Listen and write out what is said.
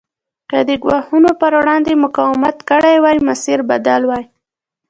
که دې ګواښونو پر وړاندې مقاومت کړی وای مسیر بدل وای.